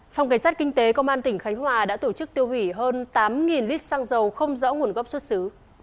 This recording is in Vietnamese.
phòng cảnh sát kinh tế công an tỉnh khánh hòa đã tổ chức tiêu hủy hơn tám lít xăng dầu không rõ nguồn gốc xuất xứ